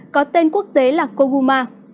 có tên quốc tế là koguma